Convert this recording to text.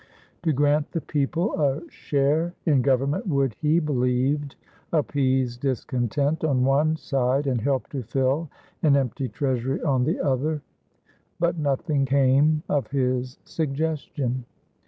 To grant the people a share in government would, he believed, appease discontent on one side and help to fill an empty treasury on the other; but nothing came of his suggestion.